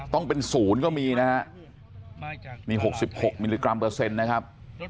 ต้องเป็นศูนย์ก็มีนะฮะนี่๖๖มิลลิกรัมเปอร์เซ็นต์นะครับ